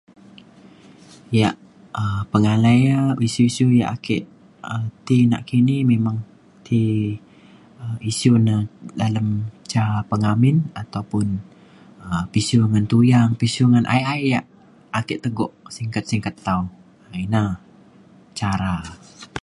yak um pengalai e isiu isiu yak ake um ti nakini memang ti um isiu ne dalem ca pengamin ataupun um pisiu ngan tuyang pisiu ngan ae ae yak ake tegok singget singget tau. um ina cara e.